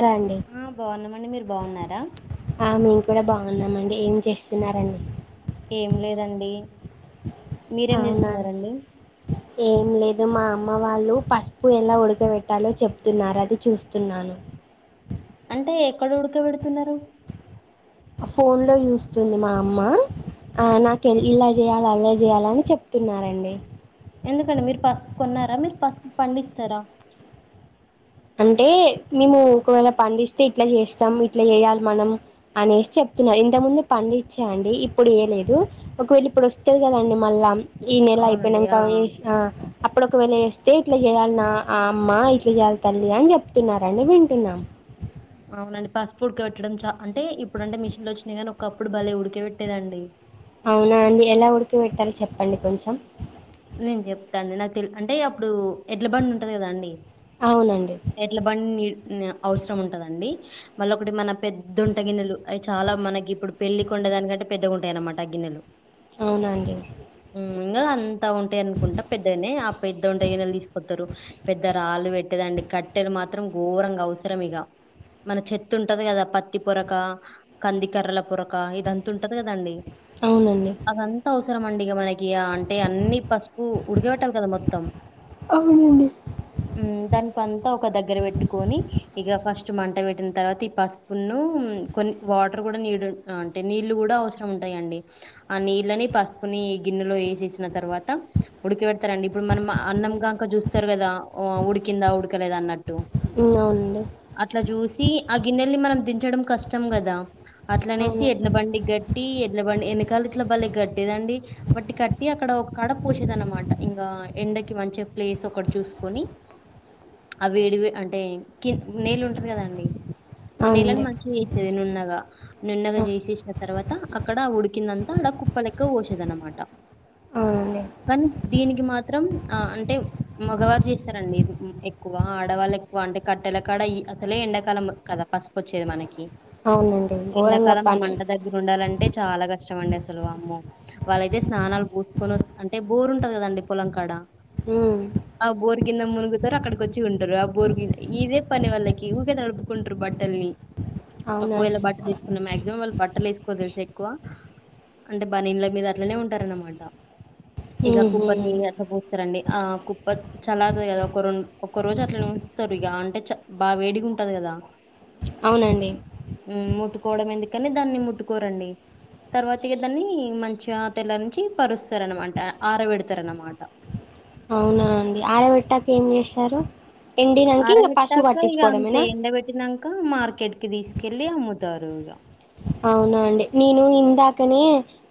రా అండి ఆ బాగున్నమండి మీరు బాగున్నారా వున్నామండి ఏం చేస్తున్నారండి ఏం లేదండి మీరేం అవునా చేస్తున్నారండి ఏం లేదు మా అమ్మ వాళ్ళు పసుపు ఎలా ఉడకబెట్టాలో చెప్తున్నారు అది చూస్తున్నాను అంటే ఎక్కడ ఉడకబెడుతున్నారు ఫోన్ లో చూస్తుంది మా అమ్మ ఆ నాకు ఇలా చేయాలి అలా చేయాలి అని చెప్తున్నారండి ఎందుకండి మీరు పసుపు కొన్నారా మీరు పసుపు పండిస్తారా అంటే మేము ఒకవేళ పండిస్తే ఇట్లా చేస్తాం ఇట్లా చేయాలి మనం అనేసి చెప్తున్నారు ఇంతకు ముందు పండించ అండి ఇప్పుడు ఏయ లేదు ఒకవేళ ఇప్పుడు వస్తది కదండి మళ్ళా ఈ నెల అవునండి. అయిపోయినాంక ఆ! ఆ! వెసిన అప్పుడు ఒకవేళ ఏస్తే ఇట్లా చెయాలినా అ అమ్మా ఇట్లా చెయాల తల్లి అని చెప్తున్నారండి వింటున్నాం అవునండి పసుపు ఉడకబెట్టడం చా అంటే ఇప్పుడు అంటే మిషన్లు వచ్చినయి కానీ ఒకప్పుడు భలే ఉడక బెట్టేదండి అవునా అండి ఎలా ఉడక పెట్టాలి చెప్పండి కొంచెం నేను చెప్తా అండి నాకు తెలి అంటే అప్పుడు ఎడ్ల బండి ఉంటుంది కదా అండి అవునండి ఎడ్ల బండి నీ నీ అవసరం ఉంటదండి మళ్ళ ఒకటి మన పెద్దొంట గిన్నెలు అవి చాలా మనకి ఇప్పుడు పెళ్లి కొండేదానికంటే పెద్దగుంటాయి అన్నమాట ఆ గిన్నెలు అవున అండి హ్మ్. ఇంగా అంతా ఉంటాయి అనుకుంటా పెద్దగానే ఆ పెద్ద వంటే గిన్నెలు తీసుకతారు పెద్ద రాళ్ళు పెట్టేదండి కట్టెలు మాత్రం ఘోరంగా అవసరం ఇగ మన చెత్త ఉంటది కదా పత్తి పొరక కందికర్రల పొరక ఇదంత ఉంటది కదండి అవునండీ [unintelligible] యా అంటే అన్నీ పసుపు ఉడకవెట్టాలి కదా మొత్తం అవునండి ఉహ్ దన్ ఒక దగ్గర పెట్టుకొని ఇగ ఫస్ట్ మంట పెట్టిన తర్వాత ఈ పసుపు ఉన్ను కొన్ని వాటర్ కూడా నీడ్ అంటే నీళ్లు కూడా అవసరంటాయిండి. ఆ నీళ్ళని పసుపుని గిన్నెలో వేసేసిన తర్వాత ఉడక పెడతారండి, ఇప్పుడు మనం అన్నం గాంక చూస్తారు కదా ఉడికింద ఉడక [unintelligible] ట్టు ఉమ్, అవునండి అట్లా చూస్ ఈ ఆ గిన్నెల్ని మనం దించడం కష్టం కదా అట్ల అనేసి ఎడ్ల అవునండి బండికి కట్టి ఎడ్ల బండి వెనకాల ఇట్ల బలె కట్టేదండి వాట్ని కట్టి అక్కడ ఒక కాడ పోషేది అన్నమాట ఇంగా ఎండకి మంచి ప్లేస్ ఒకటి చూసుకొని ఆ వేడివే అంటే కి నీళ్ళు ఉంటది కదా అండి ఆ నేలని అవునండి మంచిగా చేసేది నున్నగా నున్నగా చేసేసిన తర్వాత అక్కడ ఉడికిందిన్ ఆడా కుప్పలేక్క వోసేది అన్నమాట అవునండి కానీ దీనికి మా త్రం అ అంటే మగవారు చేస్తారండి ఇది ఎక్ ఎక్కువ ఆడవాళ్ళుకి వంట కట్టెల కాడ అసలే ఎండాకాలం కదా పసుపు వచ్చేది మనకి అవునండి ఘోరంగా ఎండాకాలం ఆ పని మంట దగ్గర ఉండాలంటే చాలా క [unintelligible] వామ్మో, వాళ్ళైతే స్నానాలు పోసుకొని వస్తుంటే అంటే బోరుంటది కదండి పొలం కాడ ఉహ్ ఆ బోరు కింద మున్గుతరు అక్కడికి వ చ్చి ఉంటరు అ బోర్ కింద ఇదే పని వాళ్లకి ఊకే తడుపుకుంటరు బట్టల్ని అవునా ఒకవేళ బట్టలు తీసుకున్న మాక్సిమం వాళ్ళు బట్టలు ఏసు [unintelligible] ఎక్కువ అంటే బనిండ్ల మీద అట్లనే ఉంటారనమాట ఇగ ఉహూ కుప్పర్ని అట్లా పూస్తారండి ఆ కుప్ప చల్ర్ కోరూన్ ఒక్క రోజు అట్లనే ఉంచుతారు ఇగ అంటే చ బాగా వేడిగా ఉంటది కదా అవునండి కోవడం ఎందుకని దాన్ని ముట్టుకోరండి తర్వాత ఇగ దాన్ని మంచిగా తెల్ల నుంచి పరుస్తారు అనమాట ఆరవెట్టుతారు అనమాట అవునానండి ఆరావేట్టాక ఏం చేస్తారు? ఎండినంక ఇంగ పసుపు అరవేట్టాక ఇక అంత పట్టించుకోవడమేనా ఎండ పెట్టినాక మార్కెట్ కి తీస్ కిల్లీ అమ్ముతారు ఇగా అవున అండి నేను ఇందాకనే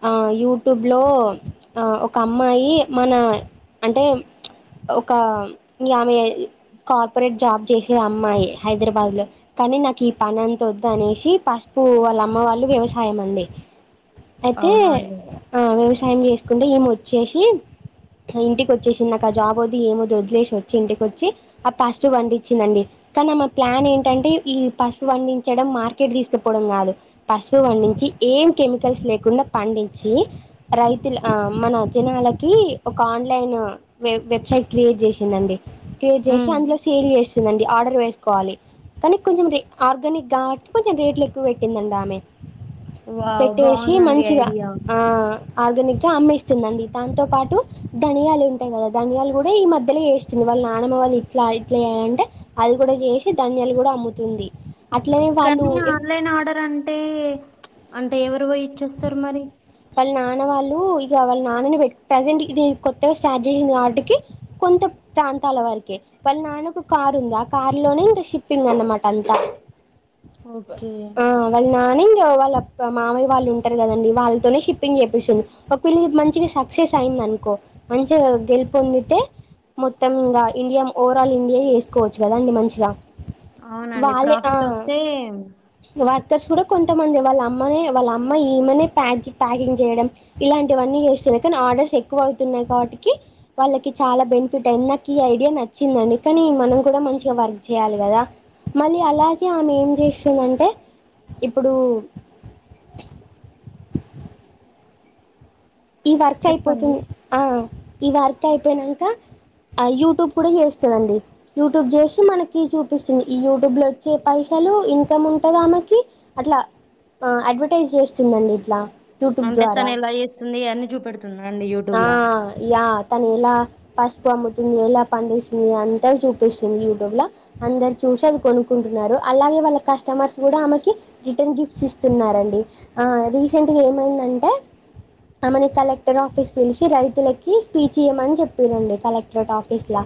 ఆ యూట్యూబ్ లో ఆ ఒక అమ్మాయి మన అంటే ఒక ఆమె కార్పొరేట్ జాబ్ చేసే అమ్మాయి హైదరాబాద్ లో కానీ నాకు ఈ పని అంత వద్దు అనేసి పసుపు వాళ్ళ అమ్ అమ్మ వాళ్ళు వ్యవసాయం అండి అయితే అవునండి ఆ వ్యవస్ టైం చేసుకుంటే ఏమి వచ్చేసి ఆ ఇంటికి వచ్చేసింది నాకు ఆ జాబ్ అది ఎమ్ వద్దు వదిలేసి వచ్చి ఇంటికి వచ్చి ఆ పసుపు పండించిింది అండి కానీ ఆ మా ప్లాన్ ఏంటంటే ఈ పసుపు పండించడం మార్కెట్ తీసుకపోవడం కాదు పసుపు పండించి ఏం కెమిక కల్స్ లేకుండా పండించి రైతుల మన జనాలకి ఒక ఆన్లైన్ వె వెబ్సైట్ క్రియేట్ చేసిందండి. క్రియేట్ చేసి ఉమ్ అందులో సేల్ చేస్తూ దండి ఆర్డర్ వేసుకోవాలి కానీ కొంచెం రే ఆర్గానిక్ గాబట్టి కొంచెం రేట్లు ఎక్కువ పెట్టిందండి ఆమె వావ్ పెట్టేసి బాగుందండి మంచిగా ఐడియా ఆ ఆర్గానిక్ తా అమ్మిస్తుంది అండి దాంతో పాటు ధనియాలు ఉంటాయి కదా ధనియాలు కూడా ఈ మధ్యలో చేస్తుంది వాళ్ళ నానమ్మ వాళ్ళు ఇట్లా ఇట్లా చేయంటే అది కూడా చేసి ధనియాలు కూడా అమ్ముతుంది. అట్లనే వాళ్ళు కానీ ఆన్లైన్ ఆర్డర్ అంటే అంటే ఎవరు పోయి ఇచ్చేస్తారు మరి వాళ్ళ నాన్న వాళ్ళు ఇక వాళ్ళ నాన్నని పెట్ ప్రజెంట్ ఇది కొత్తగా స్టార్ట్ చేసింది వాటికి కొంత ప్రాంతాల వరకే వాళ్ళ నాన్నకు కారు ఉంది ఆ కార్ లోనే ఇంకా షిప్పింగ్ అన్నమాట అంతా ఓకే ఆ వాళ్ నాని వాళ్ళ మామయ వాళ్ళు ఉంటారు కదండి వాళ్ళు తోనే షిప్పింగ్ చేపిస్తుంది ఒక పళ్ళ మంచిగా సక్సెస్ అయింది అనుకో మంచిగా గెలుపొందితే మొత్తం ఇంకా ఇండియా ఓవరాల్ ఇండియా చేసుకోవచ్చు కదాండి మంచిగా అవునండి వాళ్ళే ప్రాఫిట్ వస్తే తర్స్ కూడా కొంతమంది వాళ్ళ అమ్మనే వాళ్ళ అమ్మ ఏమనే ప్యాజిక్ ప్యాకింగ్ చేయడం ఇలాంటివన్నీ చేస్తున్నాయి కానీ ఆర్డర్స్ ఎక్కువ అవుతున్నాయి కాబట్టికి వాళ్ళకి చాలా బెనిఫిట్ అ నాక ఈ ఐడియా నచ్చిందండి కానీ మనం కూడా మంచిగా వర్క్ చేయాలి కదా మళ్ళీ అలాగే ఆమె ఏం చేస్తుందంటే ఇప్పుడు ఈ వర్క్ చెప్పండి అయిపోతుంది ఆ ఈ వర్క్ అయిపోయినాక ఆ యూట్యూబ్ కూడా చేస్తుందిండి యూట్యూబ్ చేస్త మనకి చూపిస్తుంది ఈ యూట్యూబ్ లో వచ్చే పైసలు ఇన్కమ్ ఉంటది ఆమెకి అట్లా అడ్వర్టైజ్ చేస్తుందిండి ఇట్లా యూట్యూబ్ ద్వారా అంటెత్తన ఎలా చెస్ వస్తుంది అవన్నీ చూపెడుతుంది అండి యూట్యూబ్ ఆ లో యా తను ఎలా పసుపు అమ్ముతుంది ఎలా పండిస్తుంది అంతా చూపిస్తుంది యూట్యూబ్ లో అందరు చూసి అది కొనుకుంటున్నారు అలాగే వాళ్ళ కస్టమర్స్ కూడా ఆమెకి రిటర్న్ గిఫ్ట్స్ ఇస్తున్నారుండి ఆ రీసెంట్ గా ఏమైందంటే ఆమెని కలెక్టర్ ఆఫీస్ పిలిచి రైతులకి స్పీచ్ ఇయ్యమని చెప్పారండి కలెక్టరేట్ ఆఫీస్ లో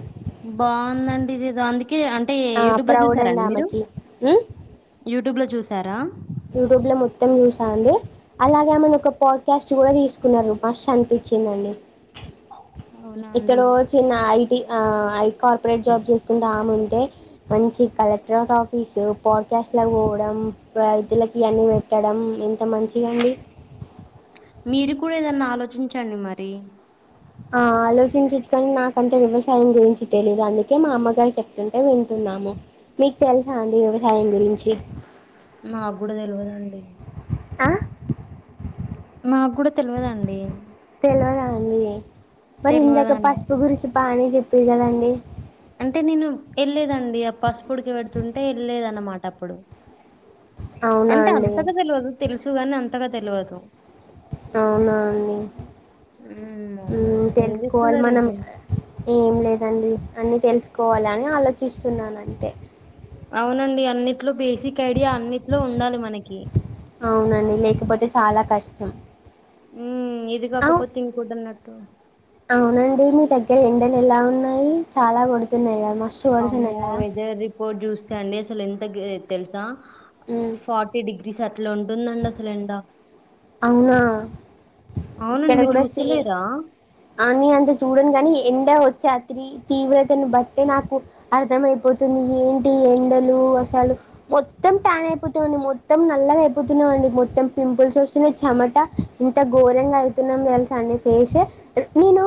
కీ అంటే యూట్యూబ్లో ప్రౌడ్ అండి చూసారాండి మీరు ఆమెకి ఉమ్, యూట్యూబ్లో చూసారా యూట్యూబ్లో మొత్తం చూసా అండి అలాగే ఆమెని ఒక పాడ్కాస్ట్ కూడా తీసుకున్నారు మాస్త్ అనిపించిందండి అవునా ఇక్కడ అండి ఓ చిన్న ఐ ఇక ఆహ్ హఐ కార్పొరేట్ జాబ్ చూసుకుంటాముంటే మంచి కలెక్టరేట్ ఆఫీసు పాడ్కాస్ట్ లా పోవడం రైతులకి అన్న పెట్టడం ఎంత మంచిగాండి మీరు కూడా ఏదన్నా ఆలోచించండి మరి ఆ ఆలోచించచ్చుకని నాకంతే వ్యవసాయం గురించి తెలీదు అందుకే మా అమ్మగారు చెప్తుంటే వింటున్నాము మీకు తెలుసా అండి వ్యవసాయం గురించి. మాకు కూడా తెలవదండి ఆ మా కూడా తెల్వదండి తెలవదండి మరి ఇందాక తెల్వదండి పసుపు గురించి పానే చెప్పిది కదండి అంటే నేను వెళ్లేదండి ఆ పసుపుడికి పెడుతుంటే వెళ్ళలేదన్నమాట అప్పుడు అవునా అంటే అండి అంతగా తెలివదు తెలుసు కాని అంతగ తెలువదు అవునా అండి హ్మ్ మ్మ్ అవునండి ఏం తెలుసుకోవాలి చేస్తున్నారు మనం ఇంకా ఏం లేదండి అన్ని తెలుసుకోవాల అని ఆలోచిస్తున్నాను అంతే అవునండి అన్నిట్లో బేస్ సిక్ ఐడియా అన్నిట్లో ఉండాలి మనకి అవునండి లేకపోతే చాలా కష్టం ఉ ఇది అవు కాకపోతే ఇంకో డన్నట్ ట్టు అవునండి మీ దగ్గర ఎండలు ఎలా ఉన్నాయి చాలా కొడుతున్నయ్ కద అమ్మో వెదర్ రిపోర్ట్ చూస్తే అండి అసలు ఎం తగ్ తెలుసా మ్మ్ ఫోర్టీ డిగ్రీస్ అట్లు ఉంటుందండి అసలు ఎండ అవునా అవునండి ఇక్కడ మీరు కూడా సే చూస్తలేరా అని అంత చూడను కాని ఎండ వచ్చే అత్రి తీవ్రతను బట్టి నాకు అర్థం అయిపోతుంది, ఏంటి ఎండలు అసలు మొత్తం టాన్ అయిపోతావండి మొత్తం నల్లగా అయిపోతున్నావండి. మొత్తం పింపుల్స్ వస్సున్నయ్ చెమట ఇంత గోర బెంగ్ అయితున్నాం తెల్సా అండి ఫేసు, నేను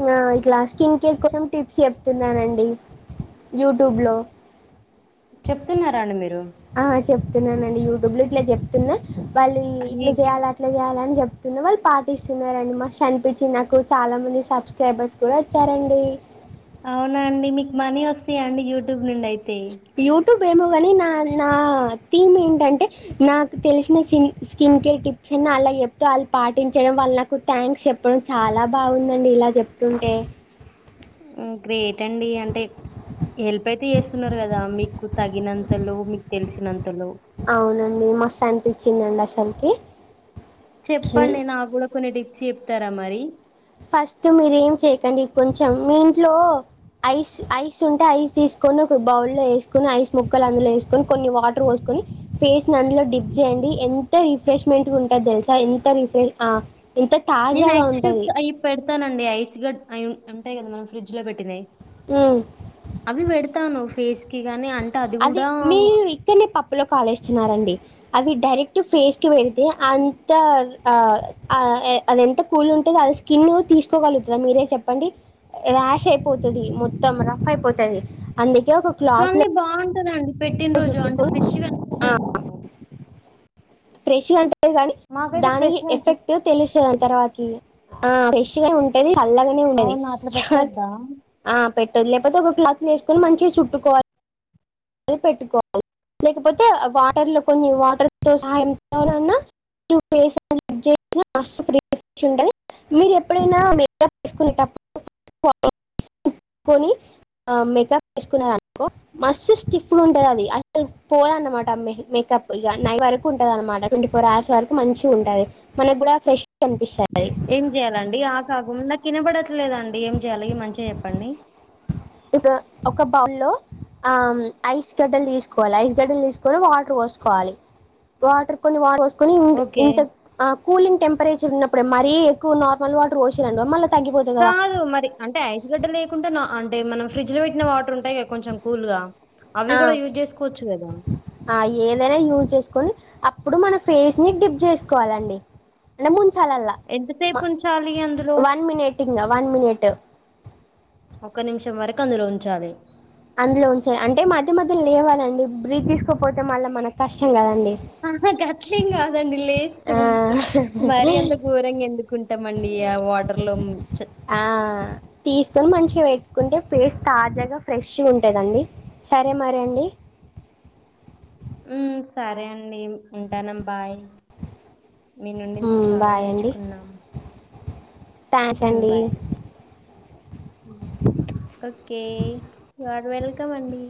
ఇలా ఇట్లా స్కిన్ కేర్ కోసం టిప్స్ చెప్తున్నానండి, యూట్యూబ్ లో చెప్తున్నారాండి మీర్ ఆ చెప్తున్నానండి యూట్యూబ్ లో ఇట్లా చెప్ తున్న వాళ్ళు ఇట్ల అన్ని జేయాల అట్లా జేయాల అని చెప్ స్తున్న వాళ్ళు పాటిస్తున్నారండి మస్స్ అనిపించి నాకు చాలా మంది సబ్స్క్రైబర్స్ కూడా వచ్చారండి. అవునా అండి మీకు మనీ వస్తాయి అండి యూట్యూబ్ నుండి అయి తే యూట్యూబ్ ఏమో కాని నా నా థీమ్ ఏంటంటే నాకు తెలిసిన స్న్ స్కిన్ కేర్ టిప్స్ అన్నీ ఆల్లకు చెప్తా, వాళ్ళు పాటించడం వాళ్ళు నాకు థ్యాంక్స్ చెప్పడం చాలా బాగుందండి ఇలా చెప్తుంటే, హ్మ్ గ్రేట్ అండి అంటే హెల్ప్ అయితే చేస్తున్నారు కదా మీకు తగినంతలో మీకు తెలిసినం అవునండి మస్సు అనిప్ పిచ్చిందండి అసలికి చెప్పండి నా గూడా కొన్ని డిప్ చెప్తారా మరి ఫస్ట్ మీరు ఏం చేయకండి, కొంచెం మీ ఇంట్లో ఐస్ ఐస్ ఉంటే ఐస్ తీసుకొని ఒక బౌల్ లో వేసుకొని ఐస్ ముక్కలు అందులో వేసుకొని కొన్ని వాటర్ పోసుకొని ఫేస్ ని అందులో డిప్ చేయండి, ఎంత రిఫ్రెష్మెంట్ ఉంటుంది తెలుసా ఎంత రిఫ్రెష్ ఎంత నేను తాజాగా ఐస్ ఉంటది క్యూబ్స్ అవి పెడతానండి ఐస్ గడ్ అయి ఉంటాయి కదా మనం ఫ్రిడ్జ్ లో పెట్టినయి ఉమ్, అవి వెడు తాను ఫేస్కి కాన్ అదే మీరు ఇక్కడనే పప్పులో కాలేస్తున్నారండి అవి డైరెక్ట్ ఫేస్ కి పెడితే అంత ఆ ఆ అది ఎంత కూల్ ఉంటుందో అది స్కిన్ తీసుకోగలుగుతుద మీరే చెప్పండి రాష్ అయిపోతది మొత్తం రఫ్ అయిపోతది అండి ది ఒక క్లాత్లో తాన్ పెట్టిన రోజు అంటే ఫ్రష్గా [inaudible] ఫ్రేష్గ అన్ టె దాని దాని ఫ్రెష్ గా అనిపిస్తది ఎఫెక్ట్ తెలుస్తది తర్వాతకి ఆ ఫ్రేష్గా ఉంటది చల్లగానే ఉండది అవునా అట్లా పెట్టొద్దా ఆ పె లేకపోతే ఒక క్లాస్ వేసుకని మంచిగా చుట్టుకోవాలి పెట్టుకోవాలి లేకపోతే వాటర్ లో కొన్ని వాటర్తో సాయంతోనన్న [inaudible] మీరు ఎప్పుడైనా మెకప్ వేసుకునేటప్పుడు [inaudible] మెకప్ వేసుకున్నారానుకో మస్త్ స్టిఫ్ గా ఉంటాది అది అసలు పోదన్నమాట మేకప్ ఇగ నైట్ వరకు ఉంటంది అనమాట ట్వంటీ ఫోర్ అవర్స్ వరకు మంచిగా ఉంటంది మనకు కూడా ఫ్రెష్గా కనిపిస్తది ఏం చెయాలండి ఆ కాకు నాకు ఇనబడ లేదండి ఏం చేయ్యాలి మంచిగా చెప్పండి ఇప్పుడు ఒక బౌ లో ఆ ఐస్ గడ్డలు తీసుకోవాలి ఐస్ గడ్డలు తీసుకొని వాటర్ పోసుకోవాలి వాటర్ కొన్ని వాటర్ పోస్ ని ఓకే ఇంత ఆ కూలింగ్ టెంపరేచర్ ఉన్నప్పుడే మరీ ఎక్కు కున్నార్ మల్లి వాటర్ పోసిర్రు మళ్ళీ తగ్గిపోతది కదా కాదు మరి అంటే ఐస్ గడ్డ లేకుండా అంటే మనం ఫ్రిడ్జ్ లో పెట్టిన వాటర్ ఉంటాయి కదా కొంచెం కూల్ గా ఆ ఏదైనా యూజ్ చేసు కోని అప్పుడు మన ఫేస్ ని డిప్ చేసుకోవాలండి లే మున్ చల్ ల లా ఎంతసేపు ఉంచాలి అందులో వన్ మనిట్ ఇంగ వన్ మినిటు ఒక్క నిమిషం వరకు అందులో ఉంచాలి అందులో ఉంచలి అంటే మధ్య మధ్య లేవాలండి బ్రీత్ తీసుకోకపోతే మల్లా మనకు కష్టం కదండి ఆ గట్లేం కాదండి లేస్తం ఆ మరి అంత ఘోరంగా ఎందుకుంటామండి ఆ వాటర్ లో ఆ తీసుకొని మంచిగా పెట్టుకుంటే పేస్ట్ తాజాగా ఫ్రెష్గా ఉంటదండి సరే మరి అండి ఉ సరే అండి ఉంటాను బాయ్ మీ నుండి మేం చాలా బాయ్ నేర్చుకున్నామ్ టాసండి ఓకే యు ఆర్ వెల్కమ్ అండి